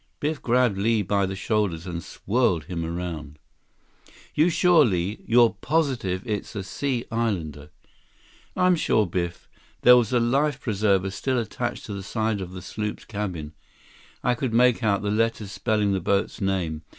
144 Biff grabbed Li by the shoulders and whirled him around. "You sure, Li? You're positive it's the Sea Islander?" "I'm sure, Biff. There was a life preserver still attached to the side of the sloop's cabin. I could make out the letters spelling the boat's name.